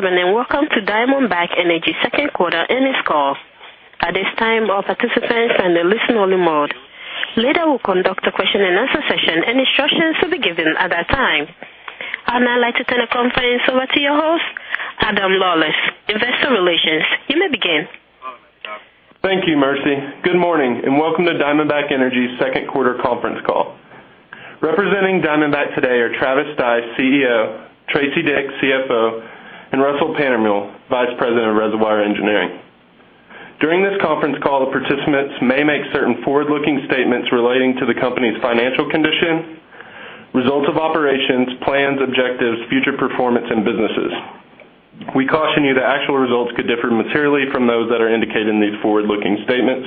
Good day, ladies and gentlemen, and welcome to Diamondback Energy second quarter earnings call. At this time, all participants are in listen only mode. Later, we'll conduct a question and answer session, and instructions will be given at that time. I'd like to turn the conference over to your host, Adam Lawlis, Investor Relations. You may begin. Thank you, Mercy. Good morning, and welcome to Diamondback Energy second quarter conference call. Representing Diamondback today are Travis Stice, CEO, Teresa Dick, CFO, and Russell Pantermuehl, Vice President of Reservoir Engineering. During this conference call, the participants may make certain forward-looking statements relating to the company's financial condition, results of operations, plans, objectives, future performance, and businesses. We caution you that actual results could differ materially from those that are indicated in these forward-looking statements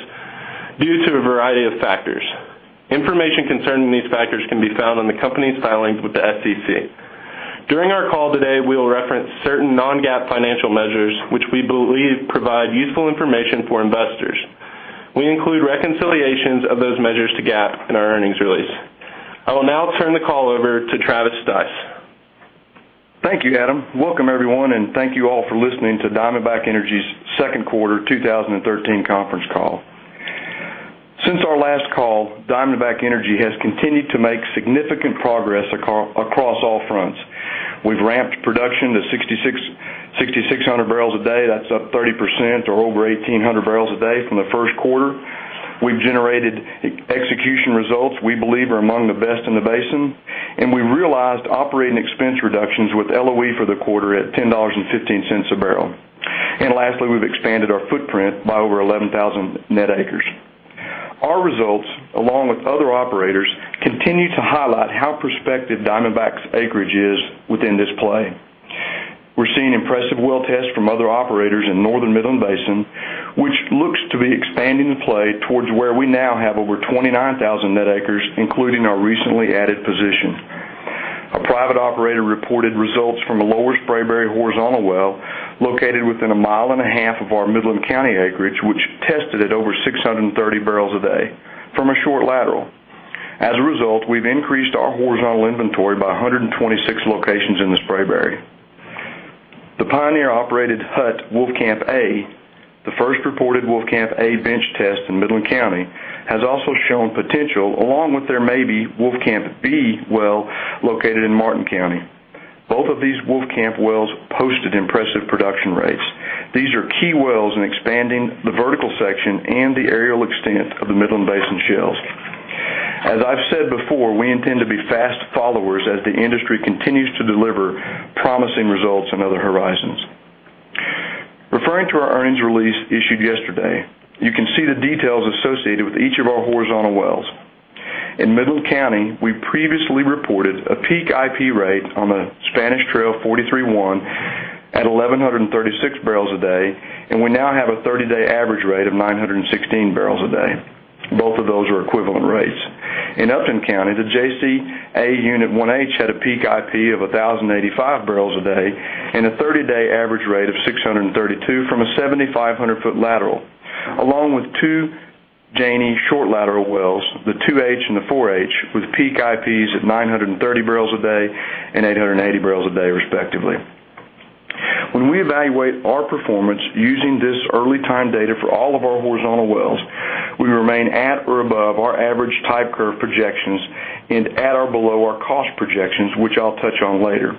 due to a variety of factors. Information concerning these factors can be found on the company's filings with the SEC. During our call today, we will reference certain non-GAAP financial measures, which we believe provide useful information for investors. We include reconciliations of those measures to GAAP in our earnings release. I will now turn the call over to Travis Stice. Thank you, Adam. Welcome everyone, and thank you all for listening to Diamondback Energy's second quarter 2013 conference call. Since our last call, Diamondback Energy has continued to make significant progress across all fronts. We've ramped production to 6,600 barrels a day. That's up 30% or over 1,800 barrels a day from the first quarter. We've generated execution results we believe are among the best in the basin, and we realized operating expense reductions with LOE for the quarter at $10.15 a barrel. Lastly, we've expanded our footprint by over 11,000 net acres. Our results, along with other operators, continue to highlight how prospective Diamondback's acreage is within this play. We're seeing impressive well tests from other operators in Northern Midland Basin, which looks to be expanding the play towards where we now have over 29,000 net acres, including our recently added position. A private operator reported results from a Lower Spraberry horizontal well located within a mile and a half of our Midland County acreage, which tested at over 630 barrels a day from a short lateral. As a result, we've increased our horizontal inventory by 126 locations in the Spraberry. The Pioneer-operated Hutt Wolfcamp A, the first reported Wolfcamp A bench test in Midland County, has also shown potential, along with their Mabee Wolfcamp B well located in Martin County. Both of these Wolfcamp wells posted impressive production rates. These are key wells in expanding the vertical section and the aerial extent of the Midland Basin shales. As I've said before, we intend to be fast followers as the industry continues to deliver promising results in other horizons. Referring to our earnings release issued yesterday, you can see the details associated with each of our horizontal wells. In Midland County, we previously reported a peak IP rate on the Spanish Trail 43-1 at 1,136 barrels a day, and we now have a 30-day average rate of 916 barrels a day. Both of those are equivalent rates. In Upton County, the Jacee A Unit 1H had a peak IP of 1,085 barrels a day and a 30-day average rate of 632 from a 7,500-foot lateral, along with two Janey short lateral wells, the 2H and the 4H, with peak IPs at 930 barrels a day and 880 barrels a day, respectively. When we evaluate our performance using this early time data for all of our horizontal wells, we remain at or above our average type curve projections and at or below our cost projections, which I'll touch on later.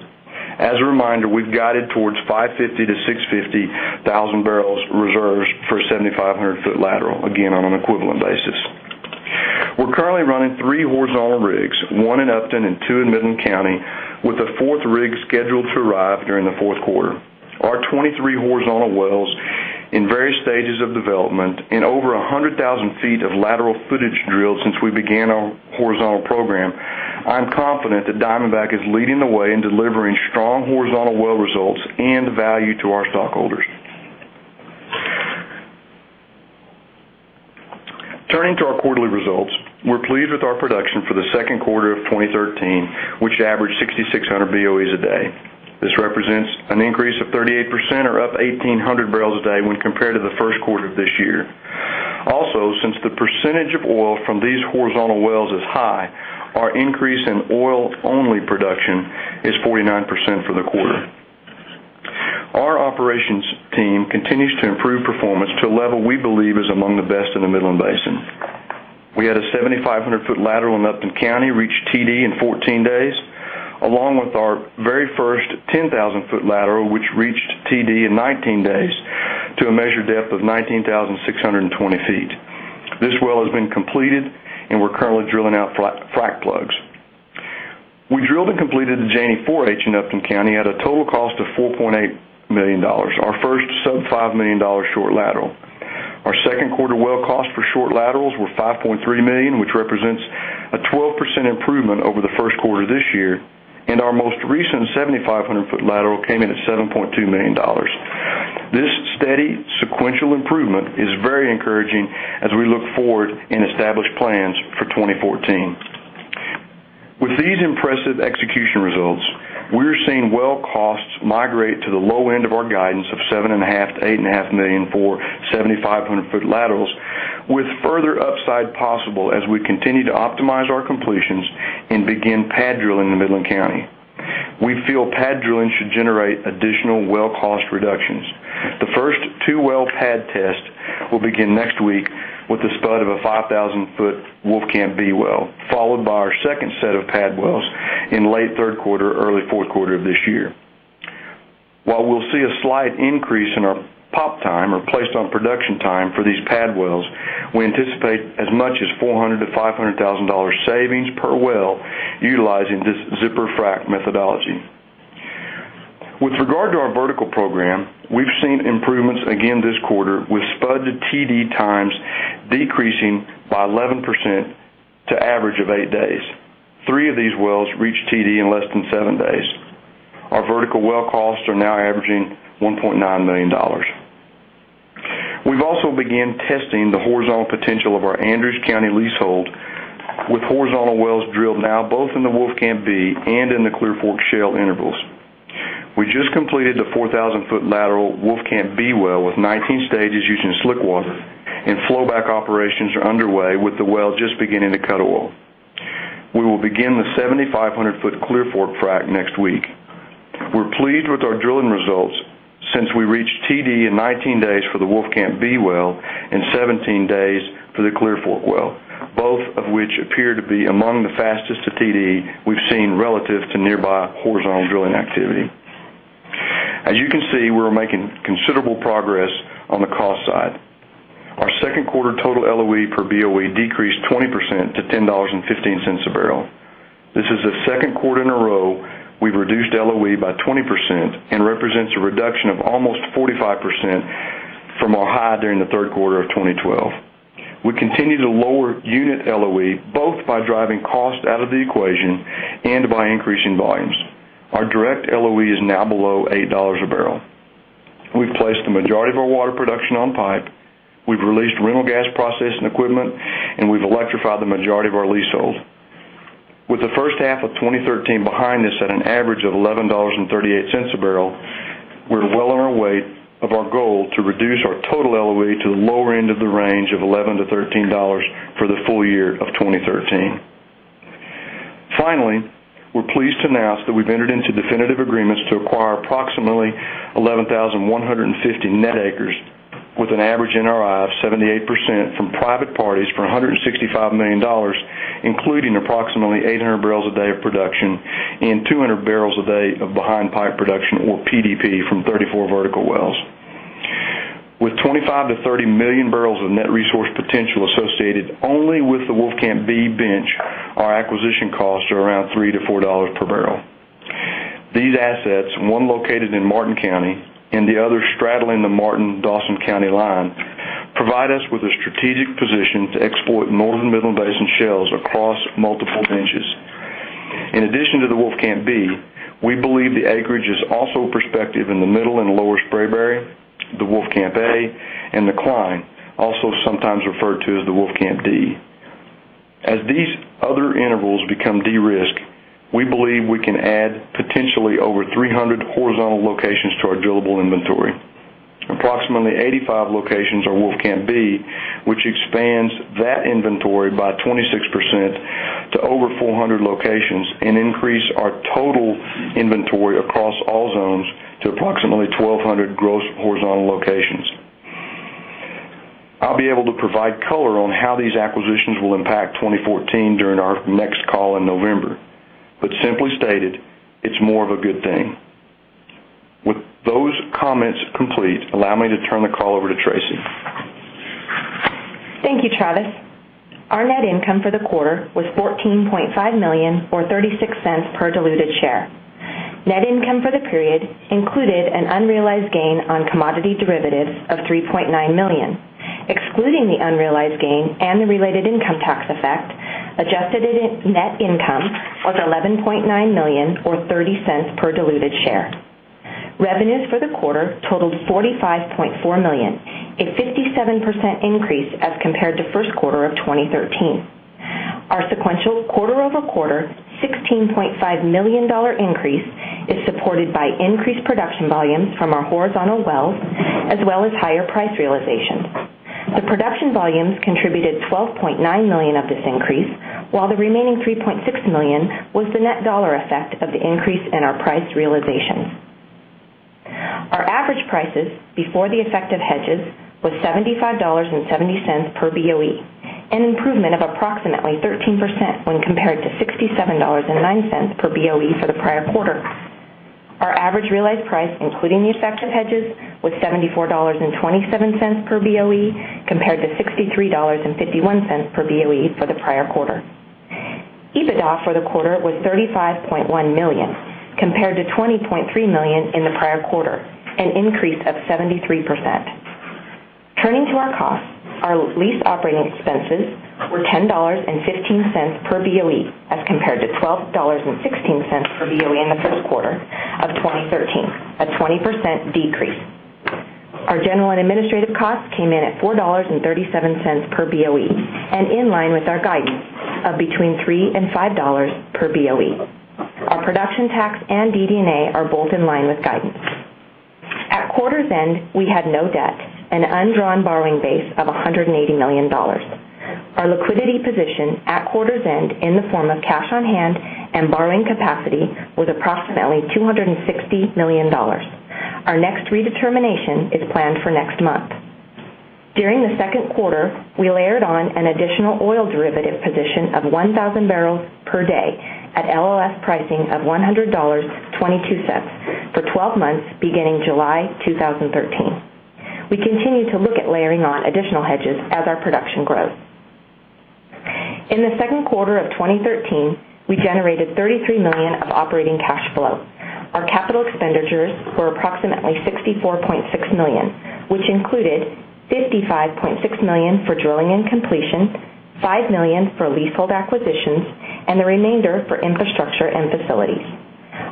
As a reminder, we've guided towards 550,000-650,000 barrels reserves for a 7,500-foot lateral, again, on an equivalent basis. We're currently running three horizontal rigs, one in Upton and two in Midland County, with a fourth rig scheduled to arrive during the fourth quarter. Our 23 horizontal wells in various stages of development and over 100,000 feet of lateral footage drilled since we began our horizontal program, I'm confident that Diamondback is leading the way in delivering strong horizontal well results and value to our stockholders. Turning to our quarterly results, we're pleased with our production for the second quarter of 2013, which averaged 6,600 BOEs a day. This represents an increase of 38% or up 1,800 barrels a day when compared to the first quarter of this year. Also, since the percentage of oil from these horizontal wells is high, our increase in oil-only production is 49% for the quarter. Our operations team continues to improve performance to a level we believe is among the best in the Midland Basin. We had a 7,500-foot lateral in Upton County reach TD in 14 days, along with our very first 10,000-foot lateral, which reached TD in 19 days to a measured depth of 19,620 feet. This well has been completed, and we're currently drilling out frac plugs. We drilled and completed the Janey 4H in Upton County at a total cost of $4.8 million, our first sub $5 million short lateral. Our second quarter well cost for short laterals were $5.3 million, which represents a 12% improvement over the first quarter this year, and our most recent 7,500-foot lateral came in at $7.2 million. This steady sequential improvement is very encouraging as we look forward and establish plans for 2014. With these impressive execution results, we're seeing well costs migrate to the low end of our guidance of $7.5 million-$8.5 million for 7,500-foot laterals with further upside possible as we continue to optimize our completions and begin pad drilling in Midland County. We feel pad drilling should generate additional well cost reductions. The first two-well pad test will begin next week with the spud of a 5,000-foot Wolfcamp B well, followed by our second set of pad wells in late third quarter, early fourth quarter of this year. While we'll see a slight increase in our POP time, or placed on production time, for these pad wells, we anticipate as much as $400,000-$500,000 savings per well utilizing this zipper frac methodology. With regard to our vertical program, we've seen improvements again this quarter with spudded TD times decreasing by 11% to an average of eight days. Three of these wells reached TD in less than seven days. Our vertical well costs are now averaging $1.9 million. We've also began testing the horizontal potential of our Andrews County leasehold with horizontal wells drilled now both in the Wolfcamp B and in the Clear Fork Shale intervals. We just completed the 4,000-foot lateral Wolfcamp B well with 19 stages using slick water, and flow back operations are underway with the well just beginning to cut oil. We will begin the 7,500-foot Clear Fork frac next week. We're pleased with our drilling results since we reached TD in 19 days for the Wolfcamp B well and 17 days for the Clear Fork well, both of which appear to be among the fastest to TD we've seen relative to nearby horizontal drilling activity. As you can see, we're making considerable progress on the cost side. Our second quarter total LOE per BOE decreased 20% to $10.15 a barrel. This is the second quarter in a row we've reduced LOE by 20% and represents a reduction of almost 45% from our high during the third quarter of 2012. We continue to lower unit LOE both by driving cost out of the equation and by increasing volumes. Our direct LOE is now below $8 a barrel. We've placed the majority of our water production on pipe, we've released rental gas processing equipment, and we've electrified the majority of our leasehold. With the first half of 2013 behind us at an average of $11.38 a barrel, we're well on our way of our goal to reduce our total LOE to the lower end of the range of $11-$13 for the full year of 2013. We're pleased to announce that we've entered into definitive agreements to acquire approximately 11,150 net acres with an average NRI of 78% from private parties for $165 million, including approximately 800 barrels a day of production and 200 barrels a day of behind pipe production, or PDP, from 34 vertical wells. With 25 million-30 million barrels of net resource potential associated only with the Wolfcamp B bench, our acquisition costs are around $3-$4 per barrel. These assets, one located in Martin County and the other straddling the Martin/Dawson County line, provide us with a strategic position to export Northern Midland Basin shales across multiple benches. In addition to the Wolfcamp B, we believe the acreage is also prospective in the Middle and Lower Spraberry, the Wolfcamp A, and the Cline, also sometimes referred to as the Wolfcamp D. As these other intervals become de-risked, we believe we can add potentially over 300 horizontal locations to our drillable inventory. Approximately 85 locations are Wolfcamp B, which expands that inventory by 26% to over 400 locations and increase our total inventory across all zones to approximately 1,200 gross horizontal locations. I'll be able to provide color on how these acquisitions will impact 2014 during our next call in November. Simply stated, it's more of a good thing. With those comments complete, allow me to turn the call over to Teresa. Thank you, Travis. Our net income for the quarter was $14.5 million, or $0.36 per diluted share. Net income for the period included an unrealized gain on commodity derivatives of $3.9 million. Excluding the unrealized gain and the related income tax effect, adjusted net income was $11.9 million, or $0.30 per diluted share. Revenues for the quarter totaled $45.4 million, a 57% increase as compared to first quarter of 2013. Our sequential quarter-over-quarter $16.5 million increase is supported by increased production volumes from our horizontal wells, as well as higher price realization. The production volumes contributed $12.9 million of this increase, while the remaining $3.6 million was the net dollar effect of the increase in our price realizations. Our average prices before the effect of hedges was $75.70 per BOE, an improvement of approximately 13% when compared to $67.09 per BOE for the prior quarter. Our average realized price, including the effect of hedges, was $74.27 per BOE, compared to $63.51 per BOE for the prior quarter. EBITDA for the quarter was $35.1 million, compared to $20.3 million in the prior quarter, an increase of 73%. Turning to our costs, our lease operating expenses were $10.15 per BOE as compared to $12.16 per BOE in the first quarter of 2013, a 20% decrease. Our general and administrative costs came in at $4.37 per BOE and in line with our guidance of between $3 and $5 per BOE. Our production tax and DD&A are both in line with guidance. At quarter's end, we had no debt, an undrawn borrowing base of $180 million. Our liquidity position at quarter's end in the form of cash on hand and borrowing capacity was approximately $260 million. Our next redetermination is planned for next month. During the second quarter, we layered on an additional oil derivative position of 1,000 barrels per day at LLS pricing of $100.22 for 12 months beginning July 2013. We continue to look at layering on additional hedges as our production grows. In the second quarter of 2013, we generated $33 million of operating cash flow. Our capital expenditures were approximately $64.6 million, which included $55.6 million for drilling and completion, $5 million for leasehold acquisitions, and the remainder for infrastructure and facilities.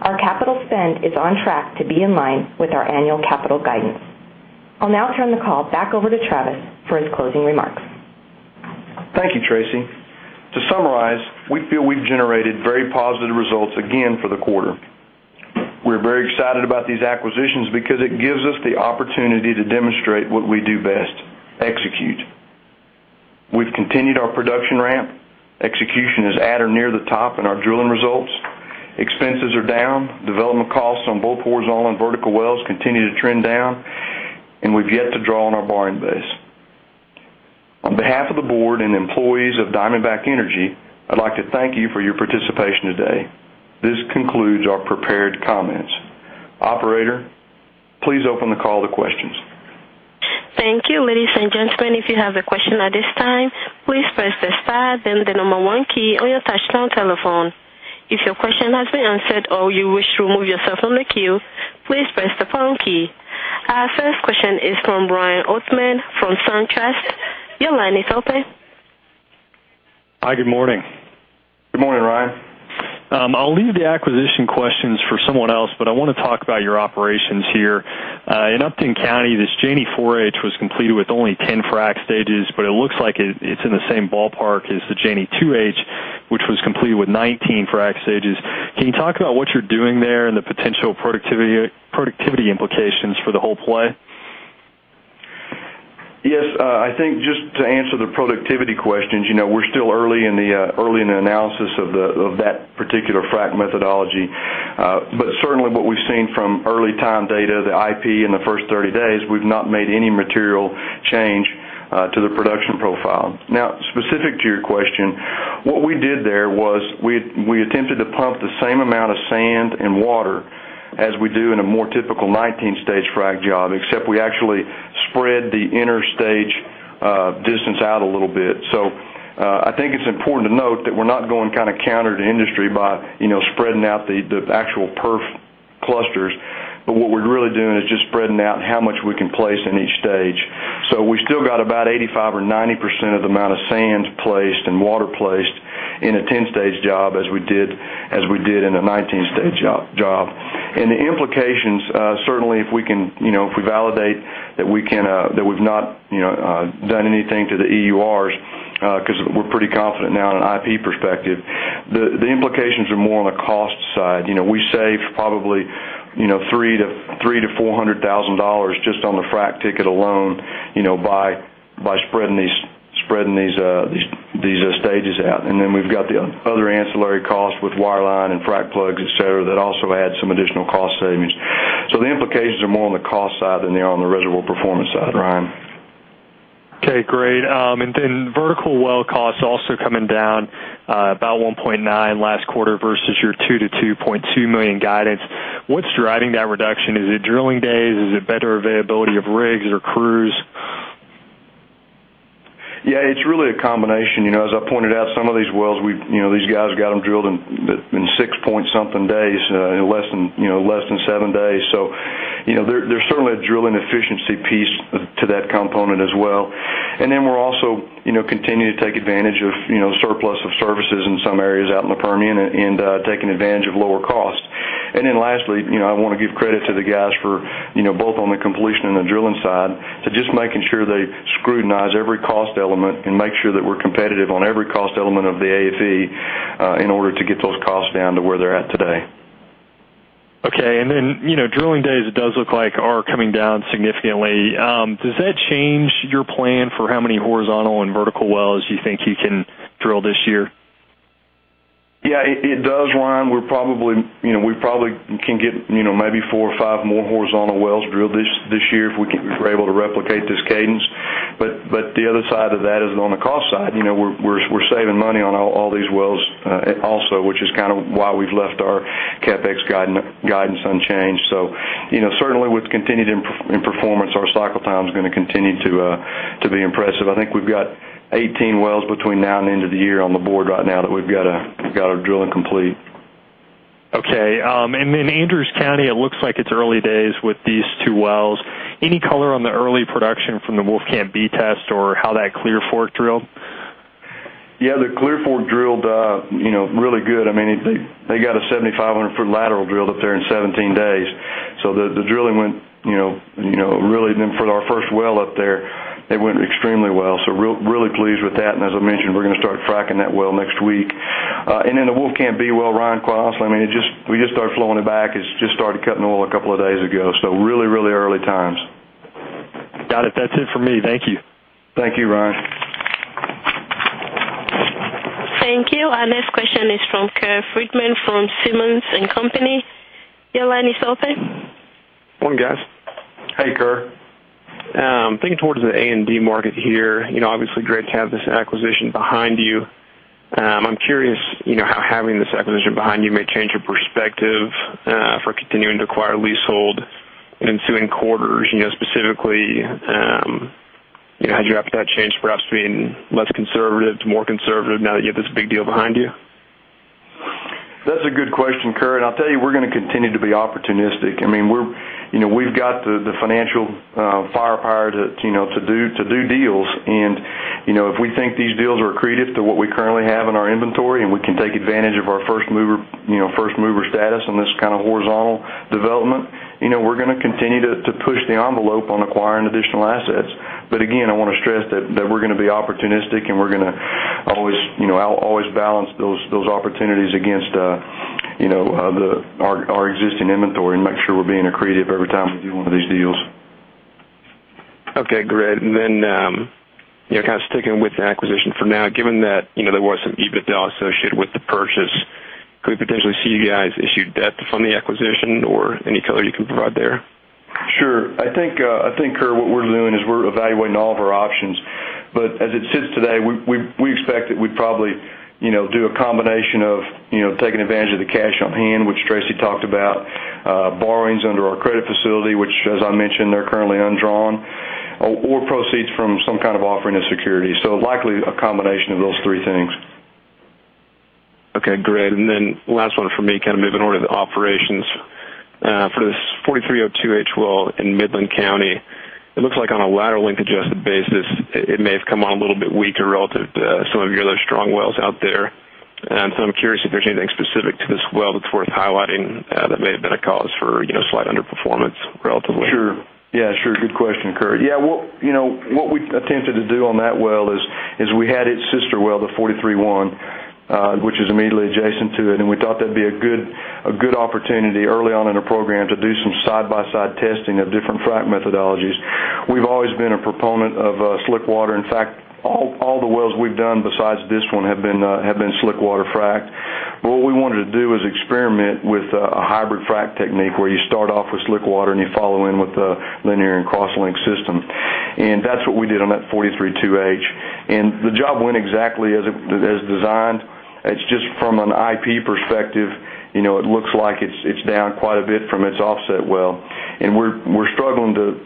Our capital spend is on track to be in line with our annual capital guidance. I'll now turn the call back over to Travis for his closing remarks. Thank you, Teresa. To summarize, we feel we've generated very positive results again for the quarter. We're very excited about these acquisitions because it gives us the opportunity to demonstrate what we do best, execute. We've continued our production ramp. Execution is at or near the top in our drilling results. Expenses are down, development costs on both horizontal and vertical wells continue to trend down, and we've yet to draw on our borrowing base. On behalf of the board and employees of Diamondback Energy, I'd like to thank you for your participation today. This concludes our prepared comments. Operator, please open the call to questions. Thank you. Ladies and gentlemen, if you have a question at this time, please press the star then the number one key on your touchtone telephone. If your question has been answered or you wish to remove yourself from the queue, please press the pound key. Our first question is from Ryan Oatman from SunTrust. Your line is open. Hi, good morning. Good morning, Ryan. I'll leave the acquisition questions for someone else. I want to talk about your operations here. In Upton County, this Janey 4H was completed with only 10 frack stages. It looks like it's in the same ballpark as the Janey 2H, which was completed with 19 frack stages. Can you talk about what you're doing there and the potential productivity implications for the whole play? Yes. I think just to answer the productivity questions, we're still early in the analysis of that particular frack methodology. Certainly what we've seen from early time data, the IP in the first 30 days, we've not made any material change to the production profile. Now, specific to your question, what we did there was we attempted to pump the same amount of sand and water as we do in a more typical 19-stage frack job, except we actually spread the inner stage distance out a little bit. I think it's important to note that we're not going counter to industry by spreading out the actual perf clusters. What we're really doing is just spreading out how much we can place in each stage. We still got about 85% or 90% of the amount of sand placed and water placed in a 10-stage job as we did in a 19-stage job. The implications, certainly if we validate that we've not done anything to the EURs, because we're pretty confident now in an IP perspective, the implications are more on the cost side. We saved probably $300,000-$400,000 just on the frack ticket alone by spreading these stages out. Then we've got the other ancillary costs with wireline and frack plugs, et cetera, that also add some additional cost savings. The implications are more on the cost side than they are on the reservoir performance side, Ryan. Okay, great. Vertical well costs also coming down about $1.9 million last quarter versus your $2 million-$2.2 million guidance. What's driving that reduction? Is it drilling days? Is it better availability of rigs or crews? Yeah, it's really a combination. As I pointed out, some of these wells, these guys got them drilled in six-point something days, in less than seven days. There's certainly a drilling efficiency piece to that component as well. We're also continuing to take advantage of surplus of services in some areas out in the Permian and taking advantage of lower costs. Lastly, I want to give credit to the guys for both on the completion and the drilling side to just making sure they scrutinize every cost element and make sure that we're competitive on every cost element of the AFE in order to get those costs down to where they're at today. Okay. Drilling days, it does look like are coming down significantly. Does that change your plan for how many horizontal and vertical wells you think you can drill this year? Yeah, it does, Ryan. We probably can get maybe four or five more horizontal wells drilled this year if we're able to replicate this cadence. The other side of that is on the cost side. We're saving money on all these wells also, which is why we've left our CapEx guidance unchanged. Certainly with continued performance, our cycle time is going to continue to be impressive. I think we've got 18 wells between now and the end of the year on the board right now that we've got to drill and complete. Okay. In Andrews County, it looks like it's early days with these two wells. Any color on the early production from the Wolfcamp B test or how that Clear Fork drilled? Yeah, the Clear Fork drilled really good. They got a 7,500-foot lateral drilled up there in 17 days. For our first well up there, it went extremely well. Really pleased with that. As I mentioned, we're going to start fracking that well next week. The Wolfcamp B well, Ryan we just started flowing it back. It's just started cutting oil a couple of days ago. Really early times. Got it. That's it for me. Thank you. Thank you, Ryan. Thank you. Our next question is from Kerr Friedman from Simmons & Company. Your line is open. Morning, guys. Hey, Kerr. Thinking towards the A&D market here, obviously great to have this acquisition behind you. I'm curious, how having this acquisition behind you may change your perspective for continuing to acquire leasehold in ensuing quarters, specifically, how your appetite changed from perhaps being less conservative to more conservative now that you have this big deal behind you? That's a good question, Kerr, and I'll tell you, we're going to continue to be opportunistic. We've got the financial firepower to do deals, and if we think these deals are accretive to what we currently have in our inventory, and we can take advantage of our first mover status on this kind of horizontal development, we're going to continue to push the envelope on acquiring additional assets. Again, I want to stress that we're going to be opportunistic, and we're going to always balance those opportunities against our existing inventory and make sure we're being accretive every time we do one of these deals. Okay, great. Sticking with the acquisition for now, given that there was some EBITDA associated with the purchase, could we potentially see you guys issue debt to fund the acquisition or any color you can provide there? Sure. I think, Kerr, what we're doing is we're evaluating all of our options. As it sits today, we expect that we'd probably do a combination of taking advantage of the cash on hand, which Teresa talked about, borrowings under our credit facility, which as I mentioned, are currently undrawn, or proceeds from some kind of offering of securities. Likely a combination of those three things. Okay, great, last one from me, moving over to the operations. For this 432H well in Midland County, it looks like on a lateral length adjusted basis, it may have come on a little bit weaker relative to some of your other strong wells out there. I'm curious if there's anything specific to this well that's worth highlighting that may have been a cause for slight underperformance relatively. Sure. Yeah, sure. Good question, Kerr. What we attempted to do on that well is we had its sister well, the 43.1, which is immediately adjacent to it, and we thought that'd be a good opportunity early on in the program to do some side-by-side testing of different frac methodologies. We've always been a proponent of slick water. In fact, all the wells we've done besides this one have been slick water fracked. What we wanted to do is experiment with a hybrid frac technique where you start off with slick water and you follow in with the linear and crosslink systems. That's what we did on that 432H. The job went exactly as designed. It's just from an IP perspective, it looks like it's down quite a bit from its offset well. We're struggling to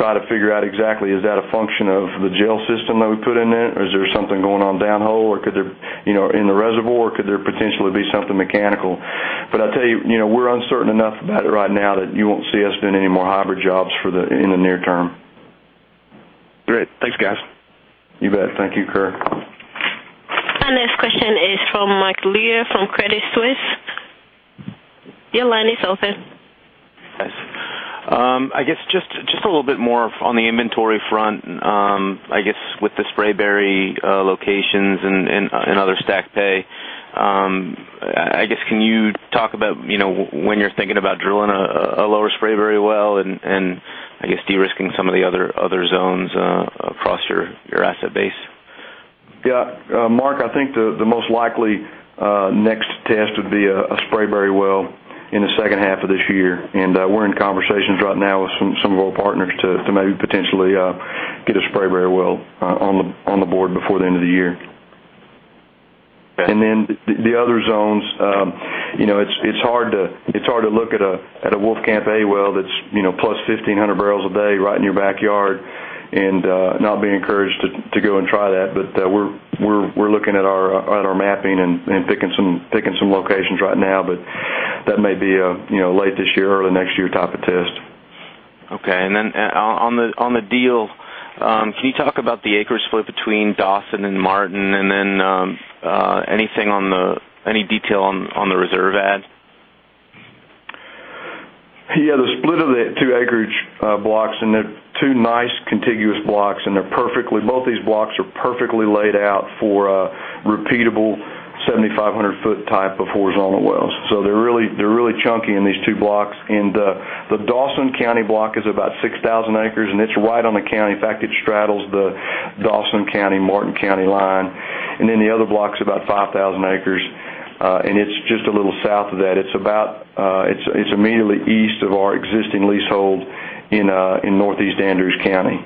try to figure out exactly, is that a function of the gel system that we put in it, or is there something going on down hole, or could there, in the reservoir, or could there potentially be something mechanical? I'll tell you, we're uncertain enough about it right now that you won't see us doing any more hybrid jobs in the near term. Great. Thanks, guys. You bet. Thank you, Kerr. Our next question is from Mark Lear from Credit Suisse. Your line is open. Thanks. I guess just a little bit more on the inventory front, I guess with the Spraberry locations and other stack pay, can you talk about when you're thinking about drilling a lower Spraberry well and, I guess, de-risking some of the other zones across your asset base? Yeah. Mark, I think the most likely next test would be a Spraberry well in the second half of this year. We're in conversations right now with some of our partners to maybe potentially get a Spraberry well on the board before the end of the year. Okay. The other zones, it's hard to look at a Wolfcamp A well that's plus 1,500 barrels a day right in your backyard and not be encouraged to go and try that. We're looking at our mapping and picking some locations right now, but that may be a late this year, early next year type of test. Okay. On the deal, can you talk about the acreage split between Dawson and Martin and then any detail on the reserve add? Yeah, the split of the two acreage blocks. They're two nice contiguous blocks, and both these blocks are perfectly laid out for repeatable 7,500 foot type of horizontal wells. They're really chunky in these two blocks. The Dawson County block is about 6,000 acres, and it's right on the county. In fact, it straddles the Dawson County, Martin County line. The other block's about 5,000 acres, and it's just a little south of that. It's immediately east of our existing leasehold in Northeast Andrews County.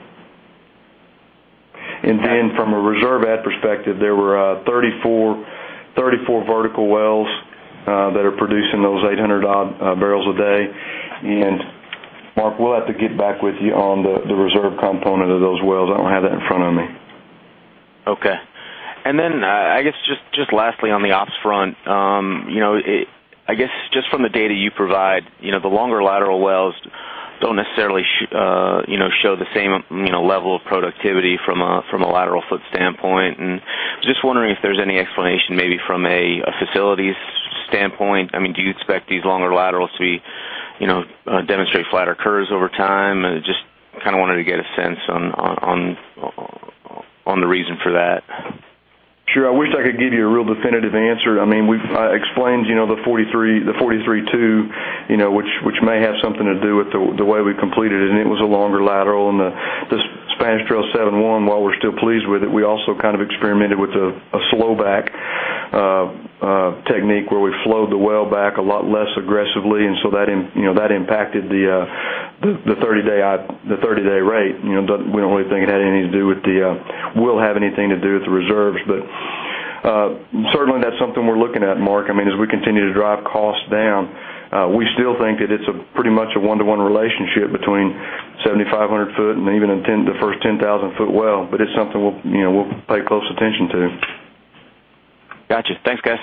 From a reserve add perspective, there were 34 vertical wells that are producing those 800 odd barrels a day. Mark, we'll have to get back with you on the reserve component of those wells. I don't have that in front of me. Okay. I guess just lastly on the ops front, I guess just from the data you provide, the longer lateral wells don't necessarily show the same level of productivity from a lateral foot standpoint. Just wondering if there's any explanation maybe from a facilities standpoint. Do you expect these longer laterals to demonstrate flatter curves over time. Just wanted to get a sense on the reason for that. Sure. I wish I could give you a real definitive answer. We've explained the 43-2, which may have something to do with the way we completed it, and it was a longer lateral on the Spanish Trail 7-1. While we're still pleased with it, we also experimented with a slow back technique where we flowed the well back a lot less aggressively, and so that impacted the 30-day rate. We don't really think it will have anything to do with the reserves. Certainly, that's something we're looking at, Mark. As we continue to drive costs down, we still think that it's pretty much a one-to-one relationship between 7,500 foot and even the first 10,000-foot well. It's something we'll pay close attention to. Got you. Thanks, guys.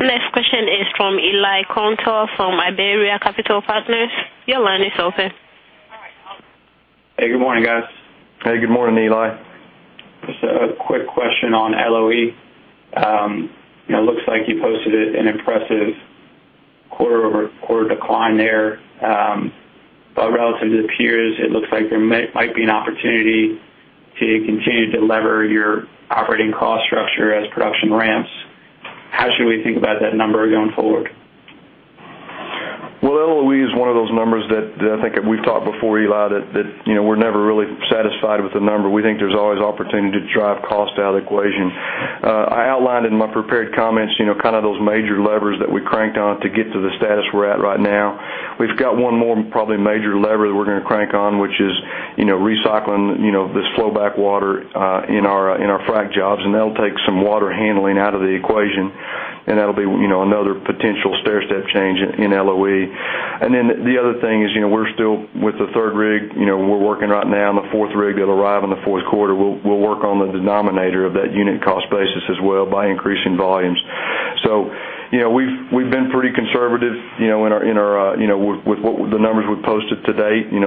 Next question is from Eli Kantor from Iberia Capital Partners. Your line is open. Hey, good morning, guys. Hey, good morning, Eli. Just a quick question on LOE. Looks like you posted an impressive quarter-over-quarter decline there. Relative to the peers, it looks like there might be an opportunity to continue to lever your operating cost structure as production ramps. How should we think about that number going forward? Well, LOE is one of those numbers that I think we've talked before, Eli, that we're never really satisfied with the number. We think there's always opportunity to drive cost out of the equation. I outlined in my prepared comments, those major levers that we cranked on to get to the status we're at right now. We've got one more, probably major lever that we're going to crank on, which is recycling this flow back water in our frack jobs. That'll take some water handling out of the equation, and that'll be another potential stair step change in LOE. The other thing is we're still with the third rig, we're working right now on the fourth rig that'll arrive in the fourth quarter. We'll work on the denominator of that unit cost basis as well by increasing volumes. So, we've been pretty conservative with the numbers we've posted to date, $11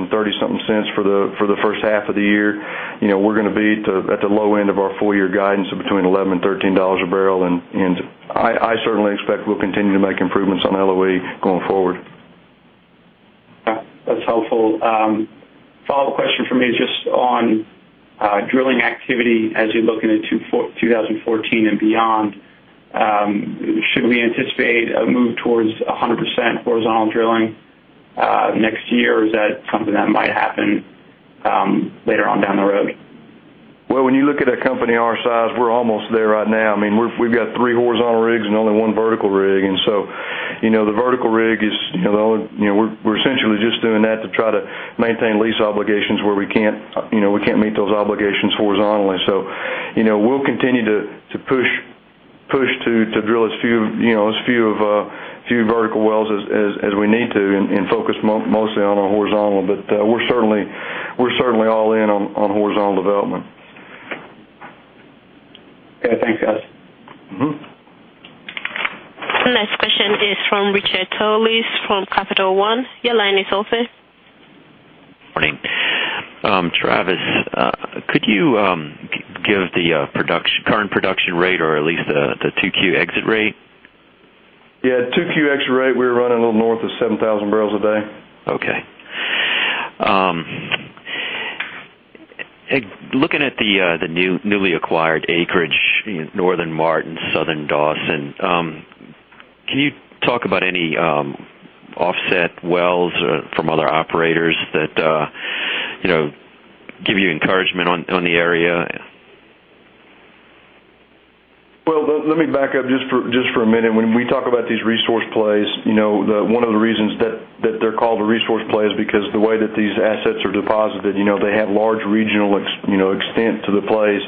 and 30 something cents for the first half of the year. We're going to be at the low end of our full year guidance of between 11 and $13 a barrel, and I certainly expect we'll continue to make improvements on LOE going forward. That's helpful. Follow-up question from me just on drilling activity as you look into 2014 and beyond. Should we anticipate a move towards 100% horizontal drilling next year? Or is that something that might happen later on down the road? Well, when you look at a company our size, we're almost there right now. We've got three horizontal rigs and only one vertical rig. We're essentially just doing that to try to maintain lease obligations where we can't meet those obligations horizontally. We'll continue to push to drill as few vertical wells as we need to and focus mostly on our horizontal. We're certainly all in on horizontal development. Okay. Thanks, guys. The next question is from Richard Tullis from Capital One. Your line is open. Morning. Travis, could you give the current production rate or at least the 2Q exit rate? Yeah. 2Q exit rate, we were running a little north of 7,000 barrels a day. Okay. Looking at the newly acquired acreage in northern Martin County, southern Dawson County, can you talk about any offset wells from other operators that give you encouragement on the area? Well, let me back up just for a minute. When we talk about these resource plays, one of the reasons that they're called a resource play is because the way that these assets are deposited, they have large regional extent to the plays.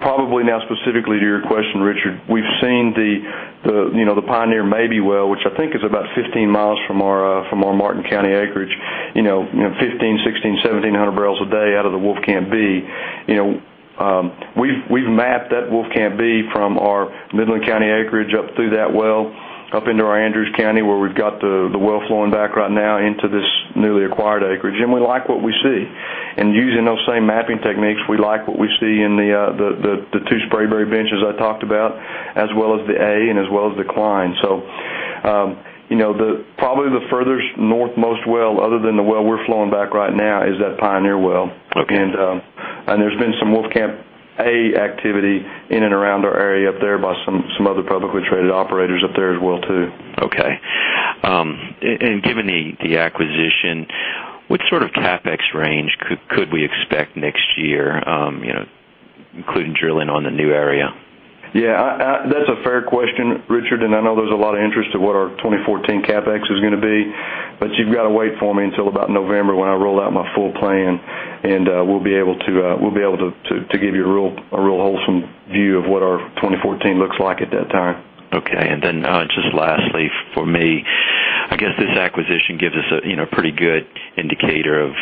Probably now specifically to your question, Richard, we've seen the Pioneer Mabee well, which I think is about 15 miles from our Martin County acreage, 1,500, 1,600, 1,700 barrels a day out of the Wolfcamp B. We've mapped that Wolfcamp B from our Midland County acreage up through that well, up into our Andrews County, where we've got the well flowing back right now into this newly acquired acreage, and we like what we see. Using those same mapping techniques, we like what we see in the two Spraberry benches I talked about, as well as the Wolfcamp A and as well as the Cline. Probably the furthest north most well, other than the well we're flowing back right now is that Pioneer well. Okay. There's been some Wolfcamp A activity in and around our area up there by some other publicly traded operators up there as well, too. Okay. Given the acquisition, what sort of CapEx range could we expect next year, including drilling on the new area? Yeah. That's a fair question, Richard, and I know there's a lot of interest to what our 2014 CapEx is going to be, but you've got to wait for me until about November when I roll out my full plan, and we'll be able to give you a real wholesome view of what our 2014 looks like at that time. Okay. Just lastly for me, I guess this acquisition gives us a pretty good indicator of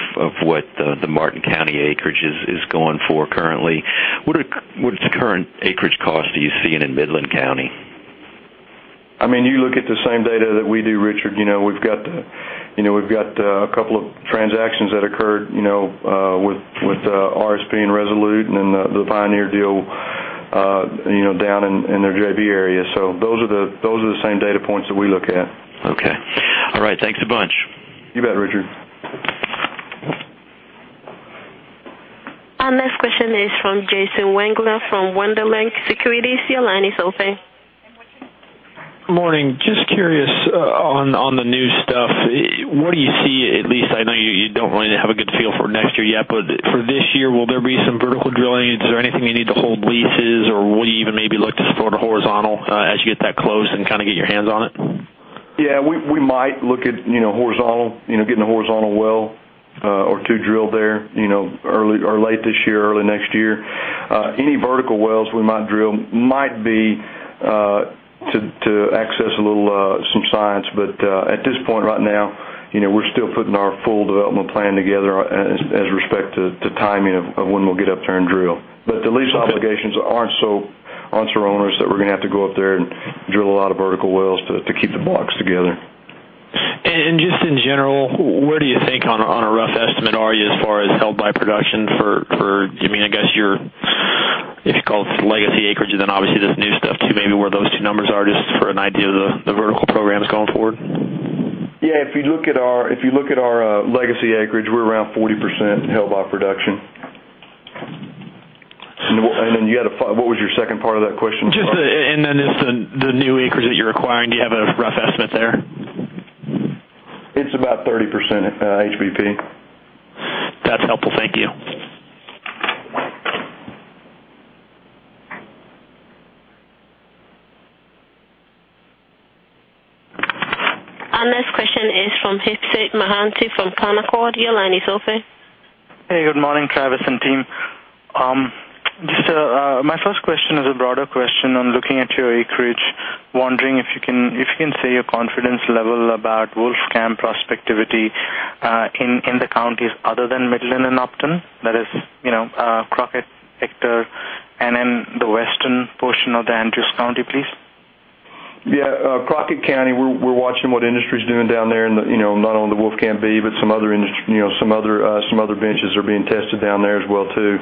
what the Martin County acreage is going for currently. What's the current acreage cost are you seeing in Midland County? Look at the same data that we do, Richard. We've got a couple of transactions that occurred with RSP and Resolute and then the Pioneer deal down in their JV area. Those are the same data points that we look at. Okay. All right. Thanks a bunch. You bet, Richard. Our next question is from Jason Wangler from Wunderlich Securities. Your line is open. Morning. Just curious on the new stuff, what do you see, at least I know you don't really have a good feel for next year yet, but for this year, will there be some vertical drilling? Is there anything you need to hold leases or will you even maybe look to support a horizontal as you get that close and get your hands on it? Yeah, we might look at getting a horizontal well or two drilled there late this year, early next year. Any vertical wells we might drill might be to access some science, but at this point right now, we're still putting our full development plan together as respect to timing of when we'll get up there and drill. The lease obligations aren't so onerous that we're going to have to go up there and drill a lot of vertical wells to keep the blocks together. Just in general, where do you think on a rough estimate are you as far as held by production for, I guess your, if you call it legacy acreage and then obviously this new stuff too, maybe where those two numbers are just for an idea of the vertical programs going forward? Yeah, if you look at our legacy acreage, we're around 40% held by production. What was your second part of that question? Just the new acreage that you're acquiring. Do you have a rough estimate there? It's about 30% HBP. That's helpful. Thank you. Our next question is from Ipsit Mohanty from Canaccord. Your line is open. Hey, good morning, Travis and team. My first question is a broader question on looking at your acreage, wondering if you can say your confidence level about Wolfcamp prospectivity in the counties other than Midland and Upton, that is, Crockett, Ector, and then the western portion of the Andrews County, please. Crockett County, we're watching what industry's doing down there in the, not only the Wolfcamp B, but some other benches are being tested down there as well too.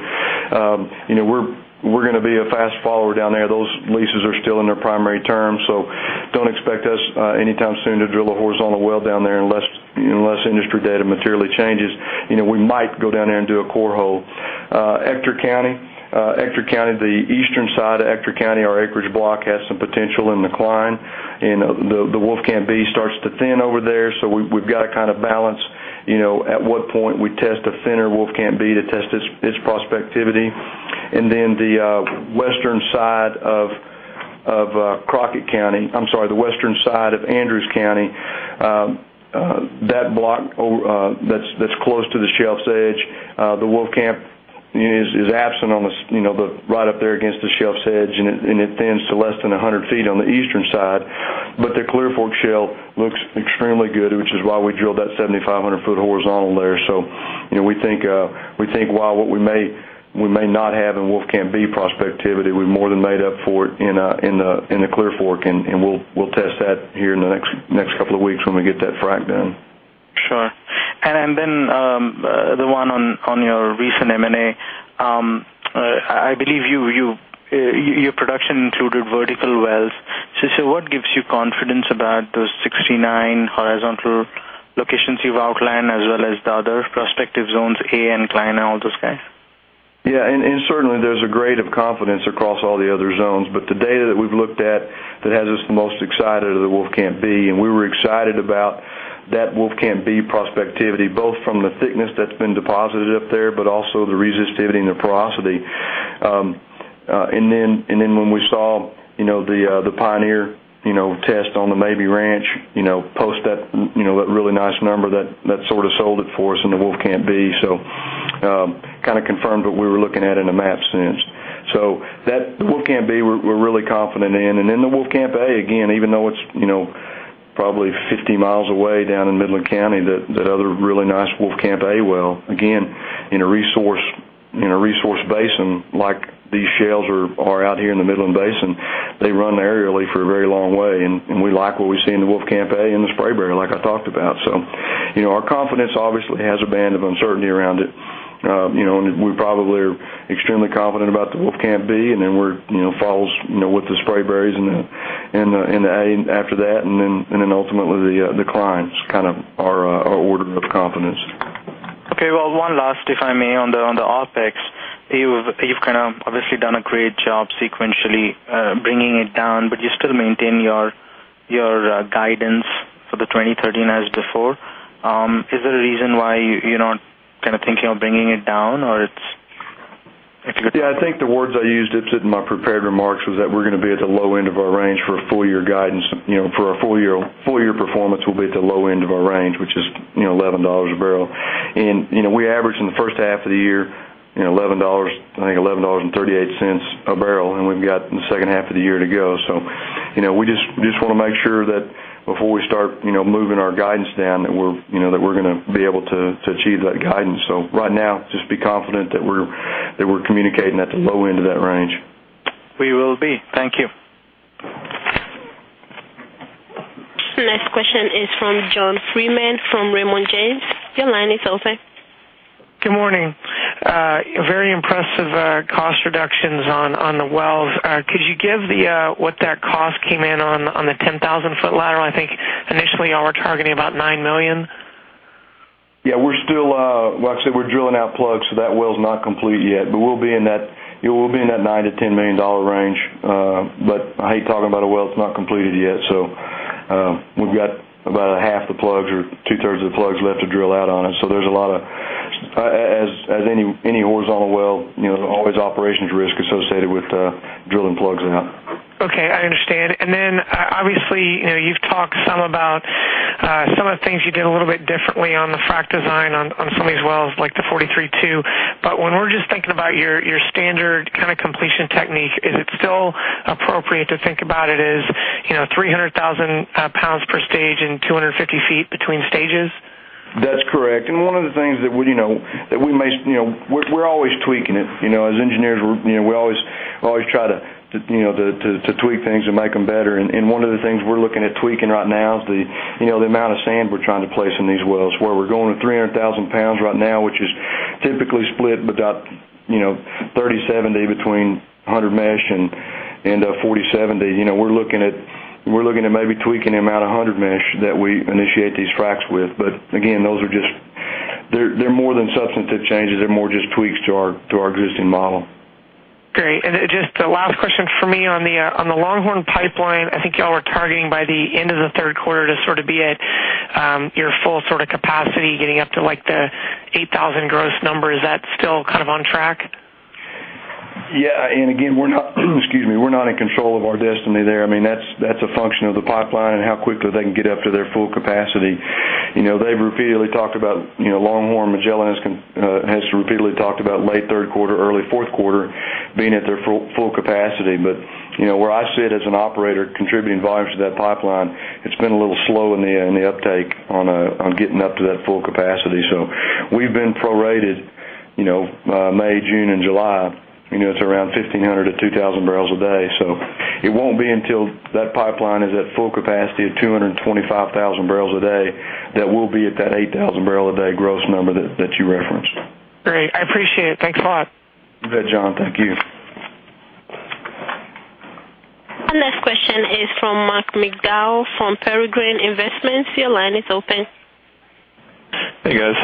We're going to be a fast follower down there. Those leases are still in their primary term, so don't expect us anytime soon to drill a horizontal well down there unless industry data materially changes. We might go down there and do a core hole. Ector County, the eastern side of Ector County, our acreage block has some potential in decline, and the Wolfcamp B starts to thin over there. We've got to balance at what point we test a thinner Wolfcamp B to test its prospectivity. The western side of Crockett County, I'm sorry, the western side of Andrews County, that block that's close to the shelf's edge, the Wolfcamp is absent right up there against the shelf's edge, and it thins to less than 100 feet on the eastern side. The Clear Fork Shale looks extremely good, which is why we drilled that 7,500 foot horizontal there. We think while what we may not have in Wolfcamp B prospectivity, we've more than made up for it in the Clear Fork, and we'll test that here in the next couple of weeks when we get that frack done. Sure. The one on your recent M&A. I believe your production included vertical wells. What gives you confidence about those 69 horizontal locations you've outlined as well as the other prospective zones, A and Cline and all those guys? Certainly there's a grade of confidence across all the other zones, but the data that we've looked at that has us the most excited are the Wolfcamp B, and we were excited about that Wolfcamp B prospectivity, both from the thickness that's been deposited up there, but also the resistivity and the porosity. When we saw the Pioneer test on the Mabee Ranch, post that really nice number that sort of sold it for us in the Wolfcamp B, confirmed what we were looking at in a map sense. The Wolfcamp B we're really confident in. The Wolfcamp A, again, even though it's probably 50 miles away down in Midland County, that other really nice Wolfcamp A well, again, in a resource basin like these shales are out here in the Midland Basin, they run aerially for a very long way, and we like what we see in the Wolfcamp A in the Spraberry, like I talked about. Our confidence obviously has a band of uncertainty around it. We probably are extremely confident about the Wolfcamp B, then follows with the Spraberrys and the A after that, then ultimately the Clines, our order of confidence. Okay. Well, one last, if I may, on the OpEx. You've obviously done a great job sequentially bringing it down, you still maintain your guidance for the 2013 as before. Is there a reason why you're not thinking of bringing it down or it's Yeah, I think the words I used, Ipsit, in my prepared remarks was that we're going to be at the low end of our range for a full year guidance. For our full year performance will be at the low end of our range, which is $11 a barrel. We averaged in the first half of the year $11, I think $11.38 a barrel, and we've got the second half of the year to go. We just want to make sure that before we start moving our guidance down, that we're going to be able to achieve that guidance. Right now, just be confident that we're communicating at the low end of that range. We will be. Thank you. Next question is from John Freeman from Raymond James. Your line is open. Good morning. Very impressive cost reductions on the wells. Could you give what that cost came in on the 10,000-foot lateral? I think initially, you all were targeting about $9 million. Yeah, well, actually, we're drilling out plugs, that well's not complete yet, we'll be in that $9 million-$10 million range. I hate talking about a well that's not completed yet. We've got about a half the plugs or two-thirds of the plugs left to drill out on it. As any horizontal well, always operations risk associated with drilling plugs out. Okay, I understand. Then obviously, you've talked some about some of the things you did a little bit differently on the frack design on some of these wells, like the 43-2. When we're just thinking about your standard completion technique, is it still appropriate to think about it as 300,000 pounds per stage and 250 feet between stages? That's correct. One of the things that we're always tweaking it. As engineers, we always try to tweak things and make them better. One of the things we're looking at tweaking right now is the amount of sand we're trying to place in these wells, where we're going to 300,000 pounds right now, which is typically split about 30/70 between 100 mesh and the 40/70. We're looking at maybe tweaking the amount of 100 mesh that we initiate these fracks with. Again, they're more than substantive changes. They're more just tweaks to our existing model. Great. Just the last question from me on the Longhorn Pipeline, I think you all were targeting by the end of the third quarter to sort of be at your full capacity, getting up to the 8,000 gross number. Is that still on track? Yeah. Again, we're not in control of our destiny there. That's a function of the pipeline and how quickly they can get up to their full capacity. Longhorn Magellan has repeatedly talked about late third quarter, early fourth quarter being at their full capacity. Where I sit as an operator contributing volumes to that pipeline, it's been a little slow in the uptake on getting up to that full capacity. We've been prorated May, June, and July. It's around 1,500 to 2,000 barrels a day. It won't be until that pipeline is at full capacity of 225,000 barrels a day, that we'll be at that 8,000 barrel a day gross number that you referenced. Great. I appreciate it. Thanks a lot. You bet, John. Thank you. Our next question is from Mark McDow from Peregrine Investments. Your line is open. Hey, guys.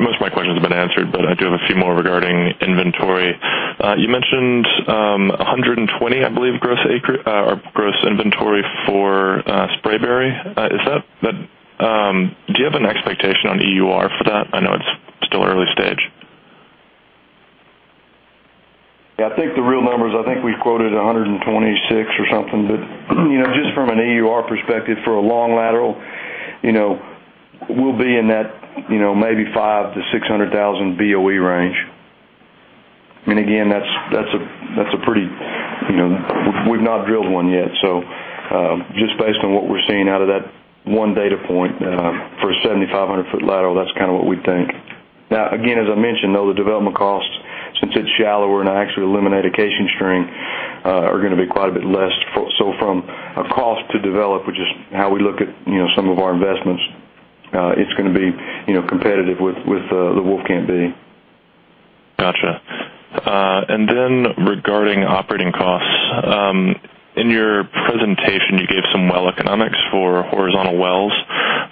Most of my questions have been answered, but I do have a few more regarding inventory. You mentioned 120, I believe, gross inventory for Spraberry. Do you have an expectation on EUR for that? I know it's still early stage. Yeah, I think the real numbers, I think we've quoted 126 or something, but just from an EUR perspective for a long lateral, we'll be in that maybe 500,000 BOE-600,000 BOE range. Again, we've not drilled one yet. Just based on what we're seeing out of that one data point for a 7,500 foot lateral, that's what we think. Again, as I mentioned, though, the development costs, since it's shallower and I actually eliminate a casing string, are going to be quite a bit less. From a cost to develop, which is how we look at some of our investments, it's going to be competitive with the Wolfcamp B. Got you. Regarding operating costs, in your presentation, you gave some well economics for horizontal wells.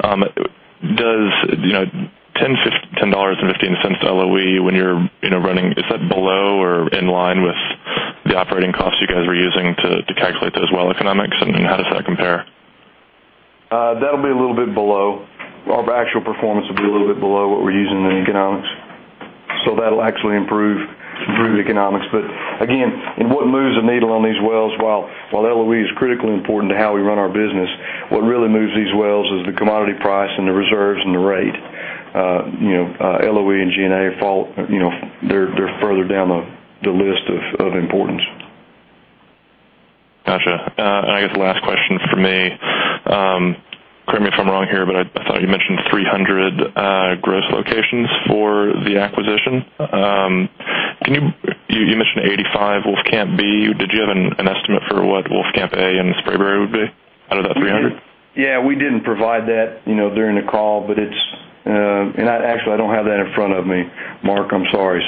Does $10.15 LOE, is that below or in line with the operating costs you guys were using to calculate those well economics? How does that compare? That'll be a little bit below. Our actual performance will be a little bit below what we're using in the economics. That'll actually improve the economics. Again, in what moves the needle on these wells, while LOE is critically important to how we run our business, what really moves these wells is the commodity price and the reserves and the rate. LOE and G&A, they're further down the list of importance. Got you. I guess the last question from me, correct me if I'm wrong here, I thought you mentioned 300 gross locations for the acquisition. You mentioned 85 Wolfcamp B. Did you have an estimate for what Wolfcamp A and Spraberry would be out of that 300? Yeah, we didn't provide that during the call, and actually, I don't have that in front of me, Mark, I'm sorry.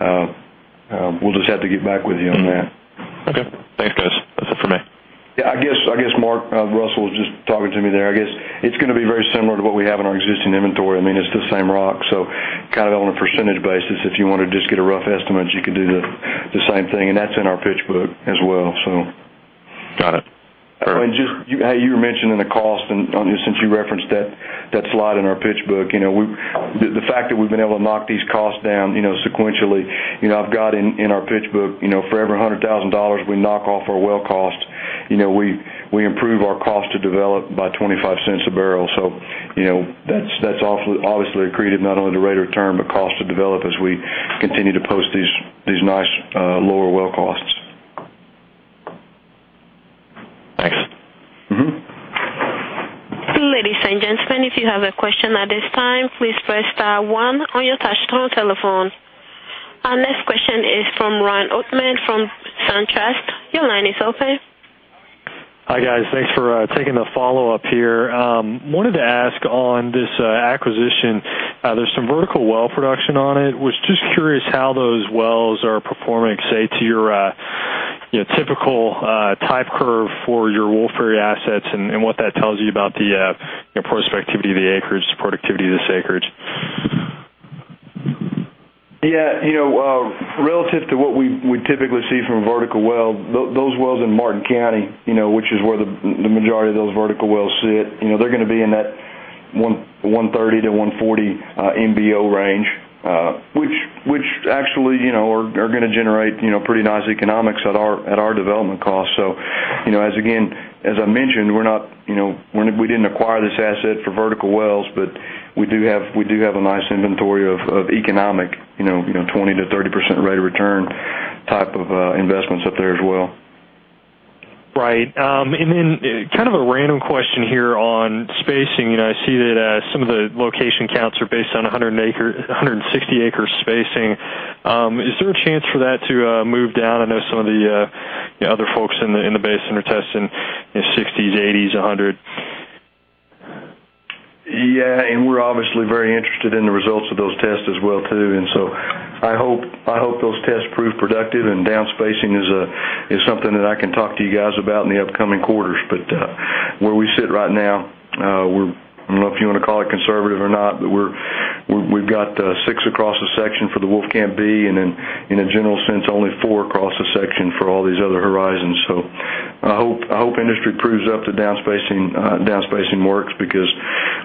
We'll just have to get back with you on that. Okay. Thanks, guys. That's it for me. Yeah, I guess Mark, Russell was just talking to me there. I guess it's going to be very similar to what we have in our existing inventory. It's the same rock. On a percentage basis, if you want to just get a rough estimate, you could do the same thing, that's in our pitch book as well. Got it. Perfect. Just how you were mentioning the cost and since you referenced that slide in our pitch book, the fact that we've been able to knock these costs down sequentially, I've got in our pitch book, for every $100,000 we knock off our well cost, we improve our cost to develop by $0.25 a barrel. That's obviously accretive not only to rate of return, but cost to develop as we continue to post these nice lower well costs. If you have a question at this time, please press star one on your touchtone telephone. Our next question is from Ryan Oatman from SunTrust. Your line is open. Hi, guys. Thanks for taking the follow-up here. Wanted to ask on this acquisition, there's some vertical well production on it. Was just curious how those wells are performing, say, to your typical type curve for your Wolfberry assets and what that tells you about the productivity of this acreage. Yeah. Relative to what we typically see from a vertical well, those wells in Martin County, which is where the majority of those vertical wells sit, they're going to be in that 130-140 MBO range, which actually are going to generate pretty nice economics at our development cost. Again, as I mentioned, we didn't acquire this asset for vertical wells, but we do have a nice inventory of economic 20%-30% rate of return type of investments up there as well. Right. Then kind of a random question here on spacing. I see that some of the location counts are based on a 160-acre spacing. Is there a chance for that to move down? I know some of the other folks in the basin are testing 60s, 80s, 100. Yeah. We're obviously very interested in the results of those tests as well too. I hope those tests prove productive and down-spacing is something that I can talk to you guys about in the upcoming quarters. Where we sit right now, I don't know if you want to call it conservative or not, but we've got six across the section for the Wolfcamp B, and in a general sense, only four across the section for all these other horizons. I hope industry proves up the down-spacing works because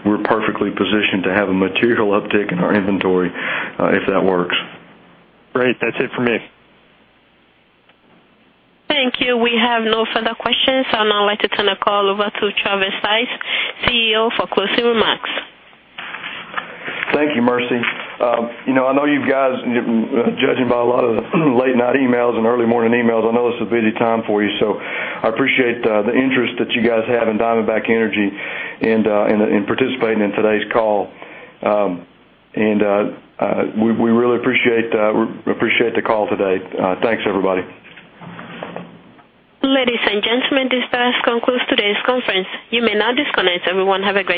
we're perfectly positioned to have a material uptick in our inventory if that works. Great. That's it for me. Thank you. We have no further questions. I'd now like to turn the call over to Travis Stice, CEO, for closing remarks. Thank you, Mercy. I know you guys, judging by a lot of the late-night emails and early morning emails, I know this is a busy time for you, I appreciate the interest that you guys have in Diamondback Energy and participating in today's call. We really appreciate the call today. Thanks, everybody. Ladies and gentlemen, this does conclude today's conference. You may now disconnect. Everyone, have a great day.